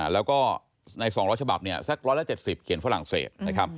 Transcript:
แล้วก็ใน๒๐๐ฉบับแสดง๑๗๐เขียนฝรั่งเศส